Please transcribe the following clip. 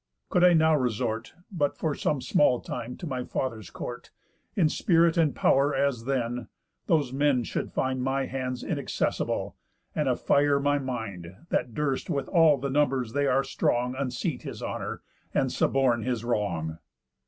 Could I now resort, (But for some small time) to my father's court, In spirit and pow'r as then, those men should find My hands inaccessible, and of fire my mind, That durst with all the numbers they are strong Unseat his honour, and suborn his wrong.